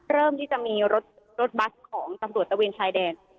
เริ่มที่จะมีรถบัสของตำรวจตะเวนชายแดน